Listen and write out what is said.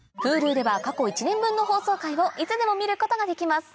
Ｈｕｌｕでは過去１年分の放送回をいつでも見ることができます